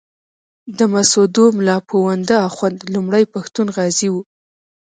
د مسودو ملا پوونده اخُند لومړی پښتون غازي وو.